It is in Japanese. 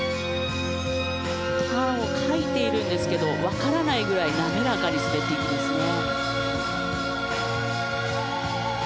カーブを描いているんですけれども分からないぐらい滑らかに滑っていきますね。